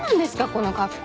この格好。